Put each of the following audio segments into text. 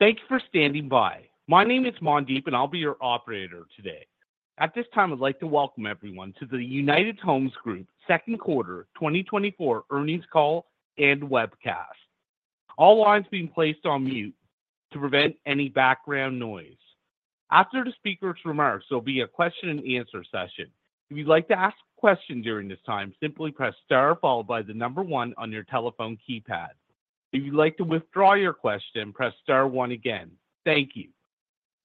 Thanks for standing by. My name is Mandeep, and I'll be your operator today. At this time, I'd like to welcome everyone to the United Homes Group Q2 2024 Earnings Call and Webcast. All lines have been placed on mute to prevent any background noise. After the speaker's remarks, there'll be a question and answer session. If you'd like to ask a question during this time, simply press Star followed by the number one on your telephone keypad. If you'd like to withdraw your question, press Star one again. Thank you.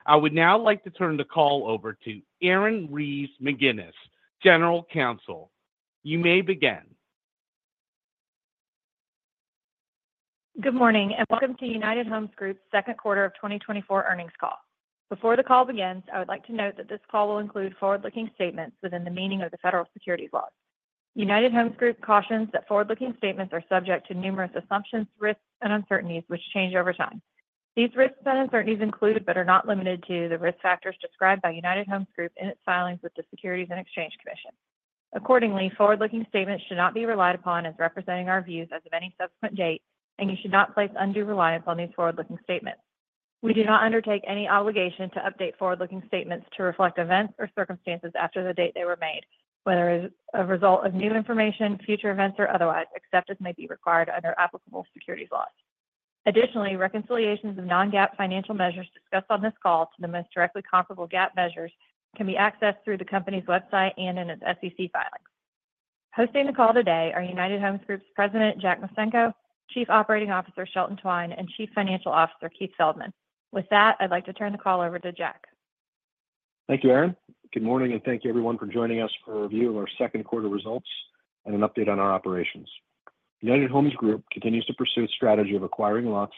I would now like to turn the call over to Erin Reeves McGinnis, General Counsel. You may begin. Good morning, and welcome to United Homes Group's Q2 of 2024 Earnings Call. Before the call begins, I would like to note that this call will include forward-looking statements within the meaning of the Federal Securities laws. United Homes Group cautions that forward-looking statements are subject to numerous assumptions, risks, and uncertainties, which change over time. These risks and uncertainties include, but are not limited to, the risk factors described by United Homes Group in its filings with the Securities and Exchange Commission. Accordingly, forward-looking statements should not be relied upon as representing our views as of any subsequent date, and you should not place undue reliance on these forward-looking statements. We do not undertake any obligation to update forward-looking statements to reflect events or circumstances after the date they were made, whether as a result of new information, future events, or otherwise, except as may be required under applicable securities laws. Additionally, reconciliations of non-GAAP financial measures discussed on this call to the most directly comparable GAAP measures can be accessed through the company's website and in its SEC filings. Hosting the call today are United Homes Group's President, Jack Micenko, Chief Operating Officer, Shelton Twine, and Chief Financial Officer, Keith Feldman. With that, I'd like to turn the call over to Jack. Thank you, Erin. Good morning, and thank you, everyone, for joining us for a review of our Q2 results and an update on our operations. United Homes Group continues to pursue a strategy of acquiring lots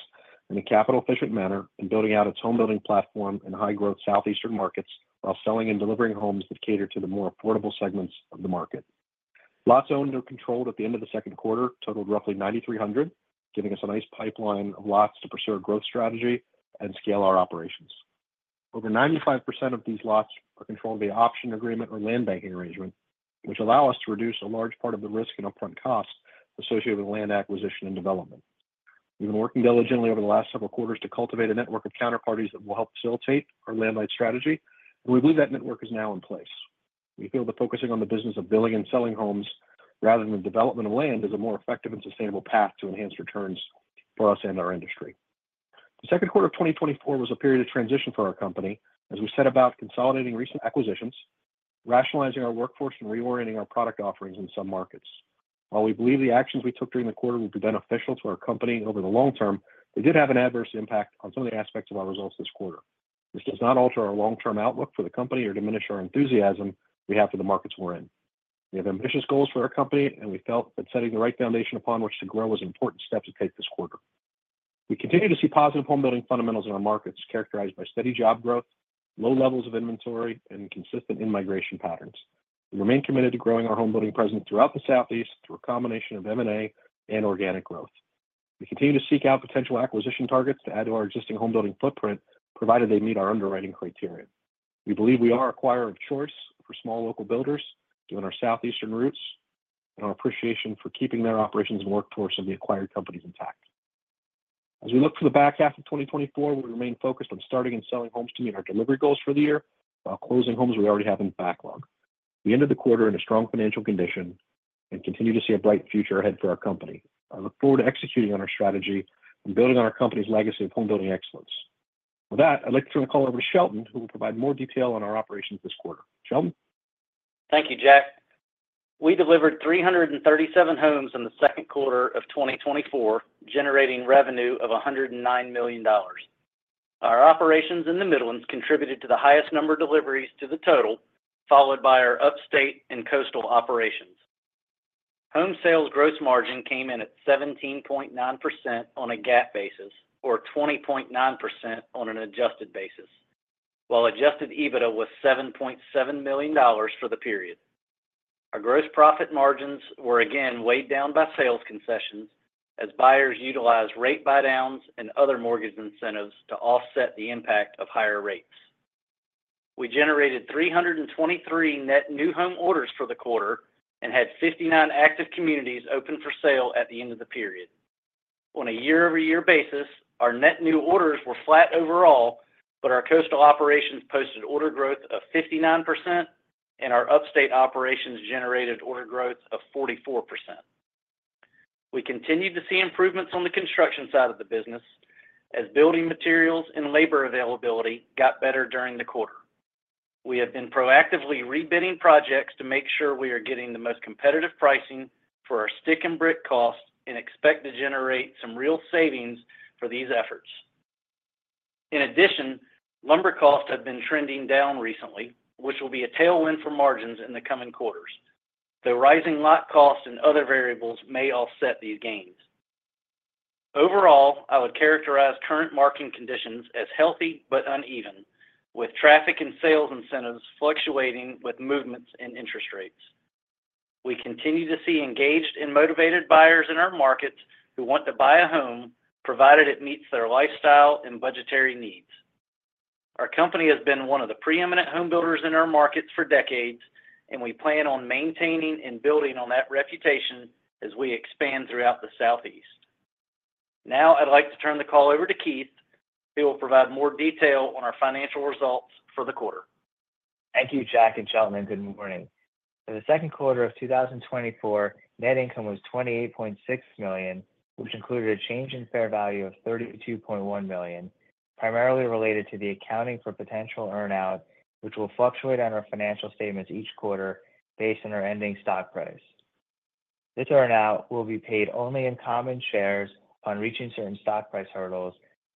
in a capital-efficient manner and building out its home building platform in high-growth Southeastern markets while selling and delivering homes that cater to the more affordable segments of the market. Lots owned or controlled at the end of the Q2 totaled roughly 9,300, giving us a nice pipeline of lots to pursue our growth strategy and scale our operations. Over 95% of these lots are controlled via option agreement or land banking arrangement, which allow us to reduce a large part of the risk and upfront costs associated with land acquisition and development. We've been working diligently over the last several quarters to cultivate a network of counterparties that will help facilitate our land-light strategy, and we believe that network is now in place. We feel that focusing on the business of building and selling homes rather than the development of land is a more effective and sustainable path to enhance returns for us and our industry. The Q2 of 2024 was a period of transition for our company, as we set about consolidating recent acquisitions, rationalizing our workforce, and reorienting our product offerings in some markets. While we believe the actions we took during the quarter will be beneficial to our company over the long term, they did have an adverse impact on some of the aspects of our results this quarter. This does not alter our long-term outlook for the company or diminish our enthusiasm we have for the markets we're in. We have ambitious goals for our company, and we felt that setting the right foundation upon which to grow was an important step to take this quarter. We continue to see positive homebuilding fundamentals in our markets, characterized by steady job growth, low levels of inventory, and consistent in-migration patterns. We remain committed to growing our homebuilding presence throughout the Southeast through a combination of M&A and organic growth. We continue to seek out potential acquisition targets to add to our existing homebuilding footprint, provided they meet our underwriting criteria. We believe we are acquirer of choice for small local builders given our Southeastern roots and our appreciation for keeping their operations and workforce of the acquired companies intact. As we look to the back half of 2024, we remain focused on starting and selling homes to meet our delivery goals for the year, while closing homes we already have in backlog. We ended the quarter in a strong financial condition and continue to see a bright future ahead for our company. I look forward to executing on our strategy and building on our company's legacy of homebuilding excellence. With that, I'd like to turn the call over to Shelton, who will provide more detail on our operations this quarter. Shelton? Thank you, Jack. We delivered 337 homes in the Q2 of 2024, generating revenue of $109 million. Our operations in the Midlands contributed to the highest number of deliveries to the total, followed by our Upstate and Coastal operations. Home sales gross margin came in at 17.9% on a GAAP basis, or 20.9% on an adjusted basis, while adjusted EBITDA was $7.7 million for the period. Our gross profit margins were again weighed down by sales concessions as buyers utilized rate buydowns and other mortgage incentives to offset the impact of higher rates. We generated 323 net new home orders for the quarter and had 59 active communities open for sale at the end of the period. On a year-over-year basis, our net new orders were flat overall, but our Coastal operations posted order growth of 59%, and our Upstate operations generated order growth of 44%. We continued to see improvements on the construction side of the business as building materials and labor availability got better during the quarter. We have been proactively rebidding projects to make sure we are getting the most competitive pricing for our stick and brick costs and expect to generate some real savings for these efforts. In addition, lumber costs have been trending down recently, which will be a tailwind for margins in the coming quarters, though rising lot costs and other variables may offset these gains. Overall, I would characterize current marketing conditions as healthy but uneven, with traffic and sales incentives fluctuating with movements in interest rates. We continue to see engaged and motivated buyers in our markets who want to buy a home, provided it meets their lifestyle and budgetary needs. Our company has been one of the preeminent home builders in our markets for decades, and we plan on maintaining and building on that reputation as we expand throughout the Southeast. Now, I'd like to turn the call over to Keith, who will provide more detail on our financial results for the quarter. Thank you, Jack, and gentlemen, good morning. In the Q2 of 2024, net income was $28.6 million, which included a change in fair value of $32.1 million, primarily related to the accounting for potential earn-out, which will fluctuate on our financial statements each quarter based on our ending stock price. This earn-out will be paid only in common shares on reaching certain stock price hurdles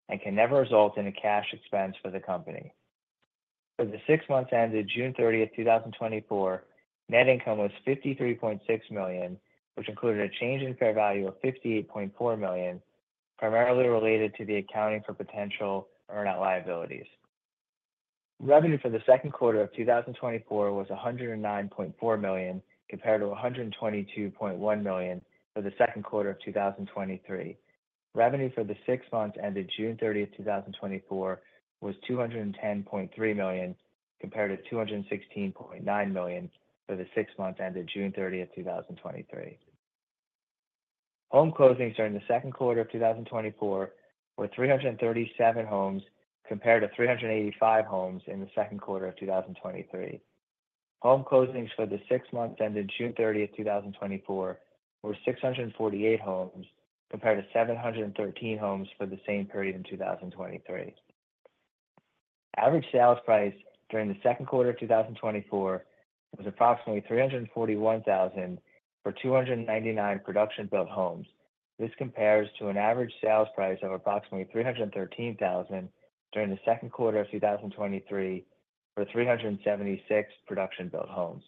and can never result in a cash expense for the company. For the six months ended June 30, 2024, net income was $53.6 million, which included a change in fair value of $58.4 million, primarily related to the accounting for potential earn-out liabilities. Revenue for the Q2 of 2024 was $109.4 million, compared to $122.1 million for the Q2 of 2023. Revenue for the six months ended June 30, 2024, was $210.3 million, compared to $216.9 million for the six months ended June 30, 2023. Home closings during the Q2 of 2024 were 337 homes, compared to 385 homes in the Q2 of 2023. Home closings for the six months ended June 30, 2024, were 648 homes, compared to 713 homes for the same period in 2023. Average sales price during the Q2 of 2024 was approximately $341,000 for 299 production-built homes. This compares to an average sales price of approximately $313,000 during the Q2 of 2023 for 376 production-built homes.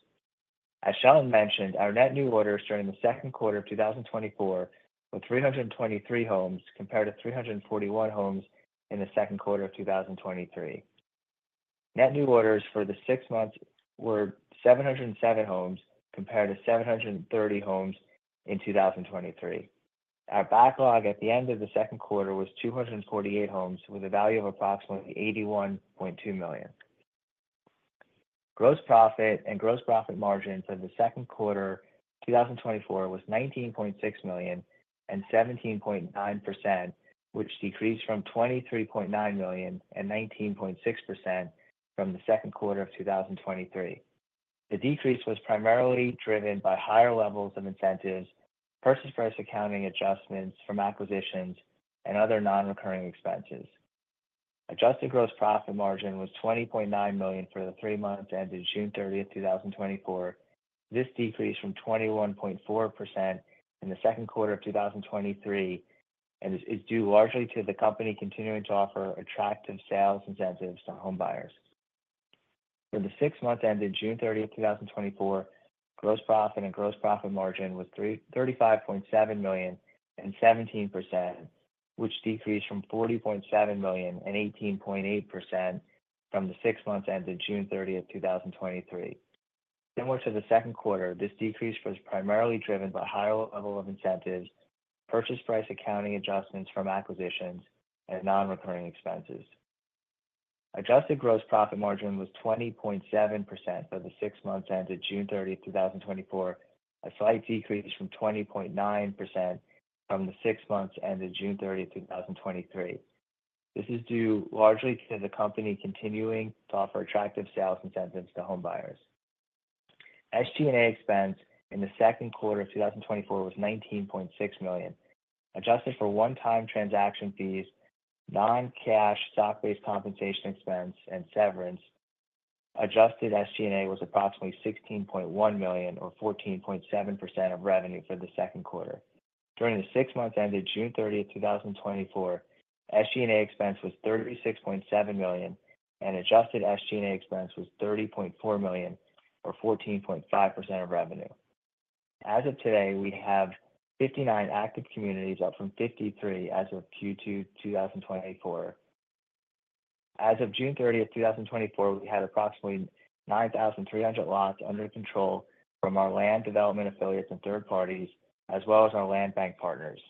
As Shelton mentioned, our net new orders during the Q2 of 2024 were 323 homes, compared to 341 homes in the Q2 of 2023. Net new orders for the six months were 707 homes, compared to 730 homes in 2023. Our backlog at the end of the Q2 was 248 homes, with a value of approximately $81.2 million. Gross profit and gross profit margin for the Q2, 2024, was $19.6 million and 17.9%, which decreased from $23.9 million and 19.6% from the Q2 of 2023. The decrease was primarily driven by higher levels of incentives, purchase price accounting adjustments from acquisitions, and other non-recurring expenses. Adjusted gross profit margin was $20.9 million for the three months ended June 30, 2024. This decreased from 21.4% in the Q2 of 2023, and is due largely to the company continuing to offer attractive sales incentives to home buyers. For the six months ended June 30, 2024, gross profit and gross profit margin was $335.7 million and 17%, which decreased from $40.7 million and 18.8% from the six months ended June 30, 2023. Similar to the Q2, this decrease was primarily driven by higher level of incentives, purchase price accounting adjustments from acquisitions, and non-recurring expenses. Adjusted gross profit margin was 20.7% for the six months ended June 30, 2024, a slight decrease from 20.9% from the six months ended June 30, 2023. This is due largely to the company continuing to offer attractive sales incentives to home buyers. SG&A expense in the Q2 of 2024 was $19.6 million. Adjusted for one-time transaction fees, non-cash stock-based compensation expense, and severance, adjusted SG&A was approximately $16.1 million or 14.7% of revenue for the Q2. During the six months ended June 30, 2024, SG&A expense was $36.7 million, and adjusted SG&A expense was $30.4 million, or 14.5% of revenue. As of today, we have 59 active communities, up from 53 as of Q2 2024. As of June 30, 2024, we had approximately 9,300 lots under control from our land development affiliates and third parties, as well as our land bank partners.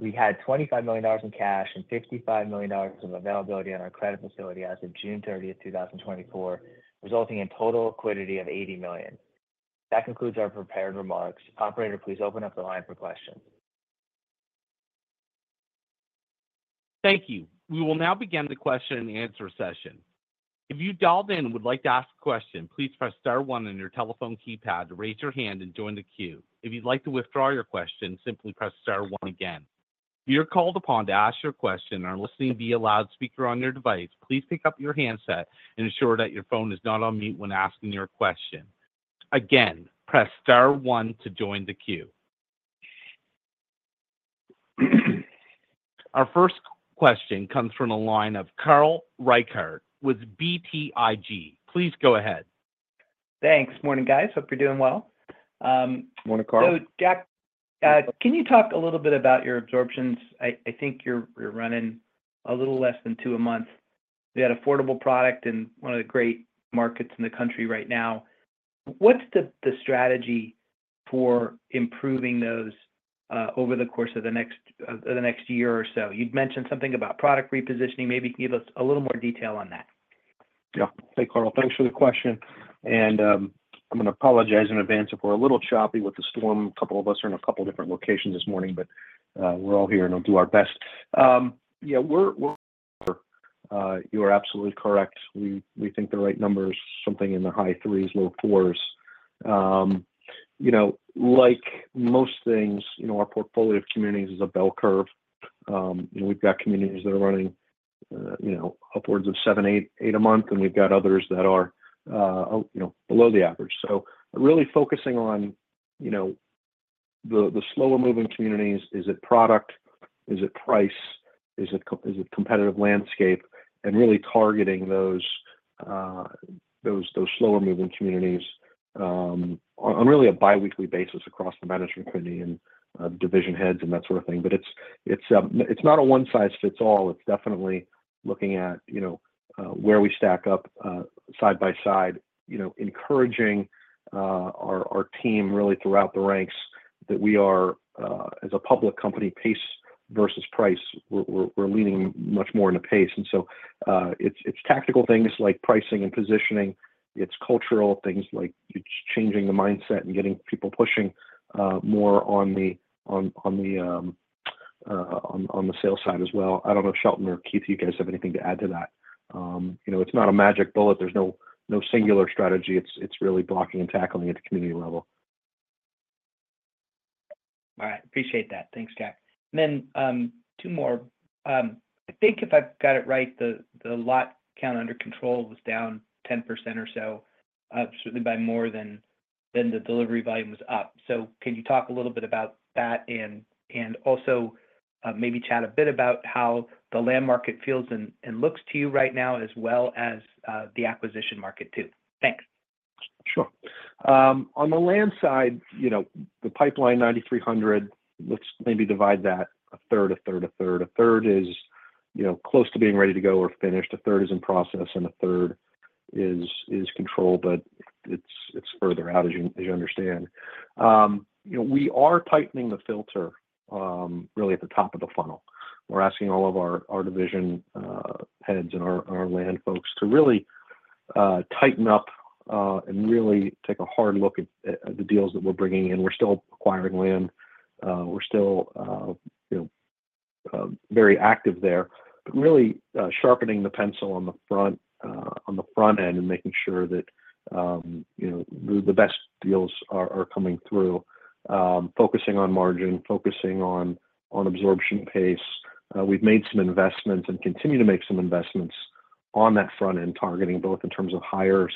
We had $25 million in cash and $55 million of availability on our credit facility as of June 30, 2024, resulting in total liquidity of $80 million. That concludes our prepared remarks. Operator, please open up the line for questions. Thank you. We will now begin the question and answer session. If you dialed in and would like to ask a question, please press star one on your telephone keypad to raise your hand and join the queue. If you'd like to withdraw your question, simply press star one again. If you're called upon to ask your question and are listening via loudspeaker on your device, please pick up your handset and ensure that your phone is not on mute when asking your question. Again, press star one to join the queue. Our first question comes from the line of Carl Reichardt with BTIG. Please go ahead. Thanks. Morning, guys. Hope you're doing well. Morning, Carl. So, Jack, can you talk a little bit about your absorptions? I, I think you're, you're running a little less than two a month. We had affordable product in one of the great markets in the country right now. What's the, the strategy for improving those, over the course of the next, over the next year or so? You'd mentioned something about product repositioning. Maybe give us a little more detail on that. Yeah. Hey, Carl, thanks for the question, and, I'm gonna apologize in advance if we're a little choppy with the storm. A couple of us are in a couple different locations this morning, but, we're all here, and we'll do our best. Yeah, you are absolutely correct. We think the right number is something in the high 3s, low 4s. You know, like most things, you know, our portfolio of communities is a bell curve. You know, we've got communities that are running, you know, upwards of 7, 8, 8 a month, and we've got others that are, you know, below the average. So really focusing on, you know, the slower-moving communities, is it product? Is it price? Is it competitive landscape? And really targeting those slower-moving communities, on really a bi-weekly basis across the management committee and, division heads and that sort of thing. But it's not a one-size-fits-all. It's definitely looking at, you know, where we stack up, side by side. You know, encouraging our team really throughout the ranks that we are, as a public company, pace versus price. We're leaning much more into pace. And so, it's tactical things like pricing and positioning. It's cultural things like changing the mindset and getting people pushing more on the sales side as well. I don't know if Shelton or Keith, you guys have anything to add to that? You know, it's not a magic bullet. There's no singular strategy. It's really blocking and tackling at the community level. All right. Appreciate that. Thanks, guys. Then, two more. I think if I've got it right, the lot count under control was down 10% or so, certainly by more than the delivery volume was up. So can you talk a little bit about that and also maybe chat a bit about how the land market feels and looks to you right now, as well as the acquisition market, too? Thanks. Sure. On the land side, you know, the pipeline 9,300, let's maybe divide that a third, a third, a third. A third is, you know, close to being ready to go or finished, a third is in process, and a third is controlled, but it's further out, as you understand. You know, we are tightening the filter really at the top of the funnel. We're asking all of our division heads and our land folks to really tighten up and really take a hard look at the deals that we're bringing in. We're still acquiring land. We're still, you know, very active there, but really sharpening the pencil on the front end and making sure that, you know, the best deals are coming through. Focusing on margin, focusing on absorption pace. We've made some investments and continue to make some investments on that front end, targeting both in terms of hires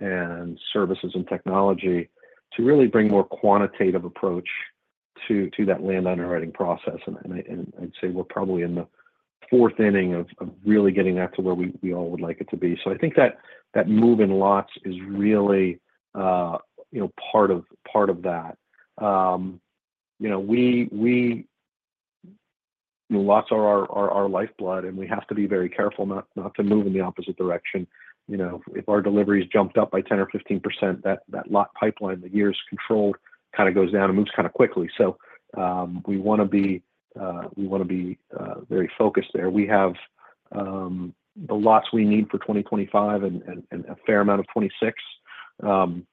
and services and technology to really bring more quantitative approach to that land underwriting process. And I'd say we're probably in the fourth inning of really getting that to where we all would like it to be. So I think that move in lots is really, you know, part of that. You know, lots are our lifeblood, and we have to be very careful not to move in the opposite direction. You know, if our deliveries jumped up by 10 or 15%, that lot pipeline, the years controlled, kind of goes down and moves kind of quickly. So, we wanna be very focused there. We have the lots we need for 2025 and a fair amount of 2026.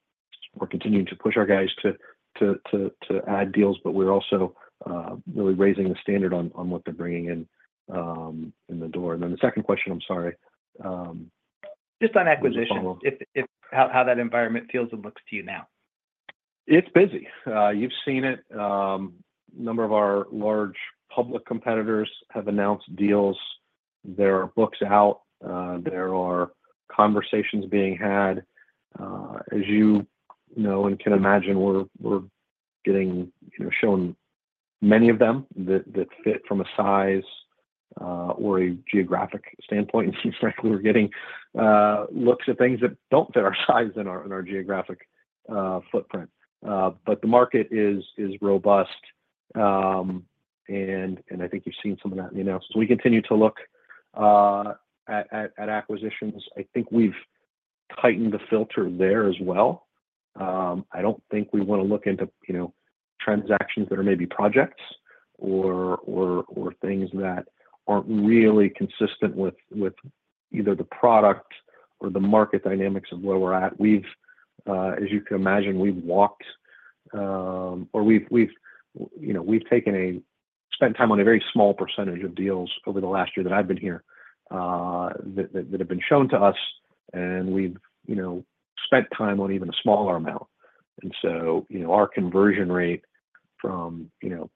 We're continuing to push our guys to add deals, but we're also really raising the standard on what they're bringing in in the door. And then the second question, I'm sorry, Just on acquisition. Follow up. How that environment feels and looks to you now? It's busy. You've seen it. A number of our large public competitors have announced deals. There are books out, there are conversations being had. As you know and can imagine, we're getting, you know, shown many of them that fit from a size or a geographic standpoint. And frankly, we're getting looks at things that don't fit our size and our geographic footprint. But the market is robust. And I think you've seen some of that in the announcements. We continue to look at acquisitions. I think we've tightened the filter there as well. I don't think we wanna look into, you know, transactions that are maybe projects or things that aren't really consistent with either the product or the market dynamics of where we're at. We've, as you can imagine, we've walked or we've, we've, you know, we've spent time on a very small percentage of deals over the last year that I've been here, that have been shown to us, and we've, you know, spent time on even a smaller amount. And so, you know, our conversion rate from, you know,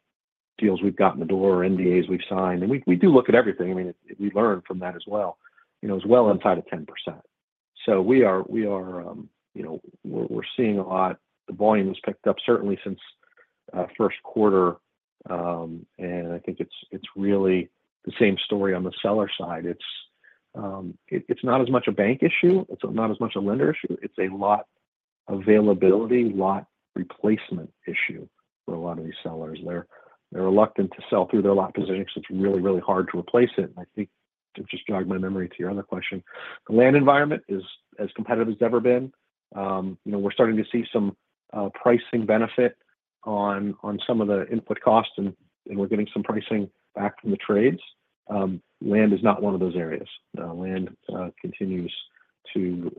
deals we've got in the door or NDAs we've signed, and we do look at everything. I mean, we learn from that as well, you know, as well inside of 10%. So we are, you know, we're seeing a lot. The volume has picked up certainly since Q1. And I think it's really the same story on the seller side. It's, it's not as much a bank issue, it's not as much a lender issue, it's a lot availability lot replacement issue for a lot of these sellers. They're reluctant to sell through their lot positions. It's really, really hard to replace it. And I think to just jog my memory to your other question, the land environment is as competitive as it's ever been. You know, we're starting to see some pricing benefit on some of the input costs, and we're getting some pricing back from the trades. Land is not one of those areas. Land continues to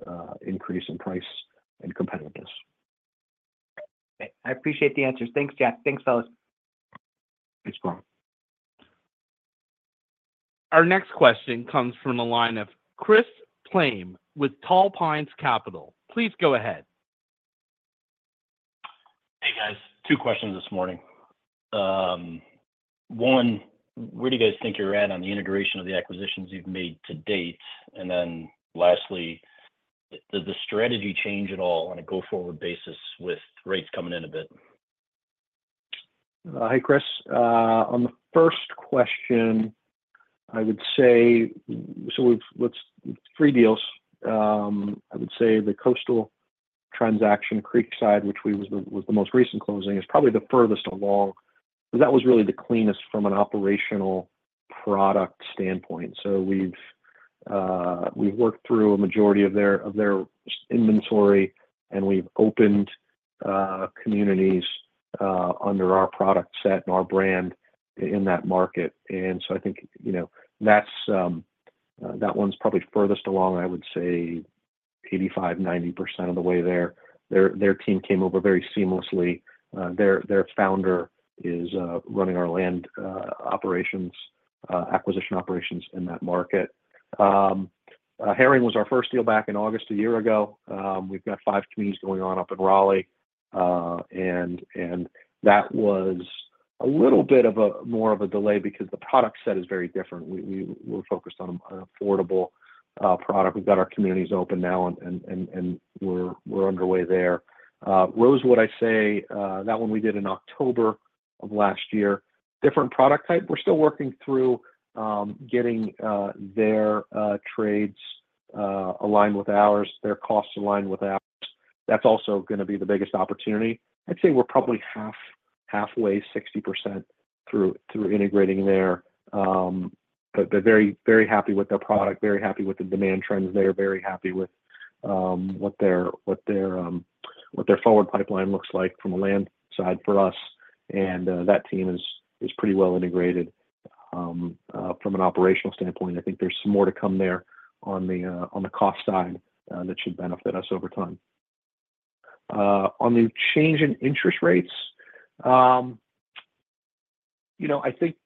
increase in price and competitiveness. Okay, I appreciate the answers. Thanks, Jack. Thanks, fellas. Thanks, Carl. Our next question comes from the line of Chris Plahm with Tall Pines Capital. Please go ahead. Hey, guys. Two questions this morning. One, where do you guys think you're at on the integration of the acquisitions you've made to date? And then lastly, did the strategy change at all on a go-forward basis with rates coming in a bit? Hi, Chris. On the first question, I would say three deals. The coastal transaction, Creekside, which was the most recent closing, is probably the furthest along, because that was really the cleanest from an operational product standpoint. So we've worked through a majority of their inventory, and we've opened communities under our product set and our brand in that market. And so I think, you know, that's that one's probably furthest along, I would say, 85-90% of the way there. Their team came over very seamlessly. Their founder is running our land acquisition operations in that market. Herring was our first deal back in August a year ago. We've got 5 communities going on up in Raleigh. That was a little bit of a more of a delay because the product set is very different. We're focused on affordable product. We've got our communities open now, and we're underway there. Rosewood, I say, that one we did in October of last year, different product type. We're still working through getting their trades aligned with ours, their costs aligned with ours. That's also gonna be the biggest opportunity. I'd say we're probably halfway, 60% through integrating there. But they're very, very happy with their product, very happy with the demand trends. They are very happy with what their forward pipeline looks like from a land side for us, and that team is pretty well integrated. From an operational standpoint, I think there's some more to come there on the cost side that should benefit us over time. On the change in interest rates, you know, I think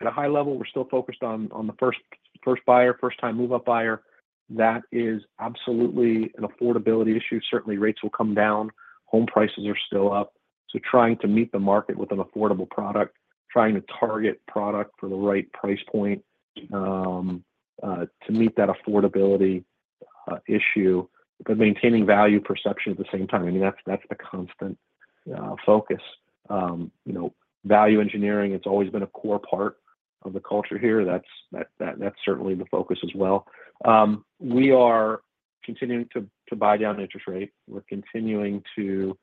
at a high level, we're still focused on the first-time move-up buyer. That is absolutely an affordability issue. Certainly, rates will come down. Home prices are still up, so trying to meet the market with an affordable product, trying to target product for the right price point to meet that affordability issue, but maintaining value perception at the same time, I mean, that's the constant focus. You know, value engineering, it's always been a core part of the culture here. That's certainly the focus as well. We are continuing to buy down interest rates. We're continuing to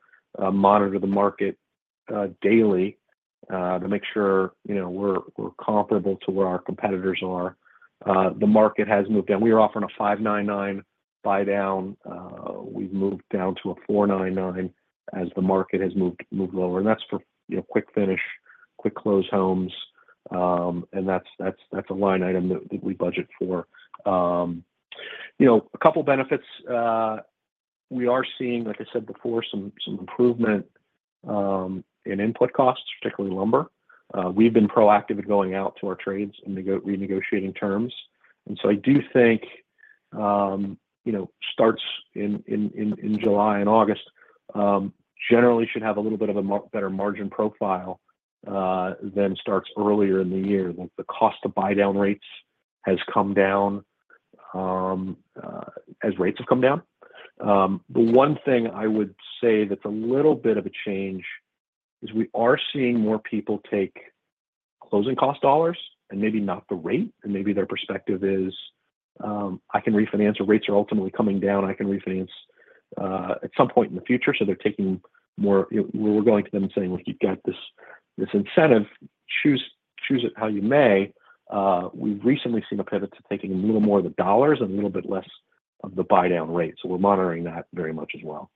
monitor the market daily to make sure, you know, we're comparable to where our competitors are. The market has moved down. We are offering a 5.99 buydown. We've moved down to a 4.99 as the market has moved lower, and that's for, you know, quick finish, quick close homes. And that's a line item that we budget for. You know, a couple benefits we are seeing, like I said before, some improvement in input costs, particularly lumber. We've been proactive in going out to our trades and renegotiating terms. And so I do think, you know, starts in July and August generally should have a little bit of a better margin profile than starts earlier in the year. The cost of buy-down rates has come down, as rates have come down. The one thing I would say that's a little bit of a change is we are seeing more people take closing cost dollars and maybe not the rate, and maybe their perspective is, I can refinance, or rates are ultimately coming down, I can refinance, at some point in the future. So they're taking more... We're going to them and saying, "Look, you've got this, this incentive. Choose, choose it how you may." We've recently seen a pivot to taking a little more of the dollars and a little bit less of the buy-down rate, so we're monitoring that very much as well.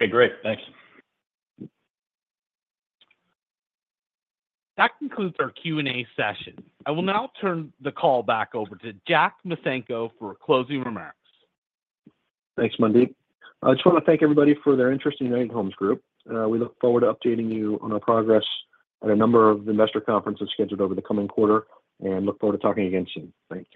Okay, great. Thanks. That concludes our Q&A session. I will now turn the call back over to Jack Micenko for closing remarks. Thanks, Mandeep. I just want to thank everybody for their interest in United Homes Group. We look forward to updating you on our progress at a number of investor conferences scheduled over the coming quarter, and look forward to talking again soon. Thank you.